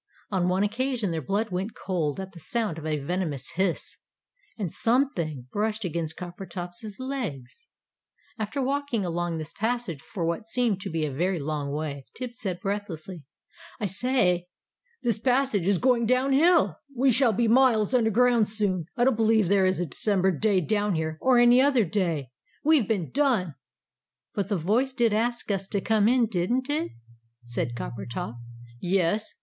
On one occasion their blood went cold at the sound of a venomous hiss! And "something" brushed against Coppertop's legs. After walking along this passage for what seemed to be a very long way, Tibbs said breathlessly "I say! This passage is going down hill! We shall be miles underground, soon. I don't believe there is a December day down here, or any other day. We have been done!" "But the voice did ask us to come in, didn't it?" said Coppertop. "Yes.